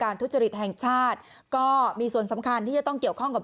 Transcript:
ทุจริตแห่งชาติก็มีส่วนสำคัญที่จะต้องเกี่ยวข้องกับ